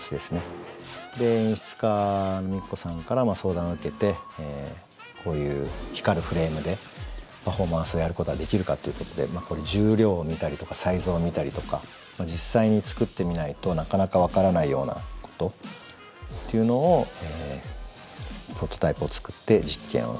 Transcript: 演出家のＭＩＫＩＫＯさんから相談受けてこういう光るフレームでパフォーマンスをやることはできるかっていうことでこれ重量を見たりとかサイズを見たりとか実際に作ってみないとなかなか分からないようなことっていうのをプロトタイプを作って実験をしています。